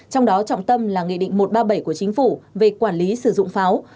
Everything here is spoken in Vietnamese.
trong đó trọng tâm là nghị định một trăm ba mươi bảy của chính phủ về quản lý sử dụng pháo